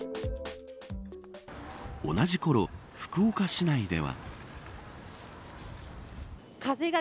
同じころ、福岡市内では。